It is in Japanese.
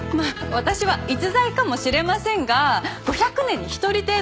私は逸材かもしれませんが５００年に一人程度です。